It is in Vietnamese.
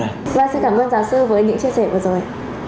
vâng xin cảm ơn giáo sư với những chia sẻ vừa rồi